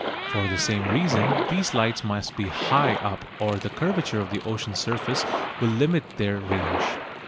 For the same reason these lights must be high up, or the curvature of the ocean's surface will limit their range.